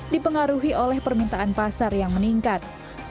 dipengaruhi oleh permintaan pasar yang meningkat